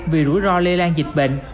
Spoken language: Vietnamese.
vì rủi ro lây lan dịch bệnh